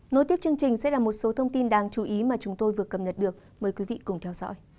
nối tiếp chương trình sẽ là một số thông tin đáng chú ý mà chúng tôi vừa cập nhật được mời quý vị cùng theo dõi